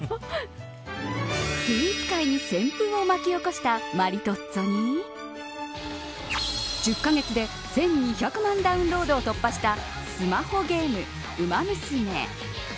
スイーツ界に旋風を巻き起こしたマリトッツォに１０カ月で１２００万ダウンロードを突破したスマホゲーム、ウマ娘。